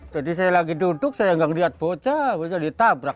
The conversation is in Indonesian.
jadi saya lagi duduk saya enggak melihat bocah bisa ditabrak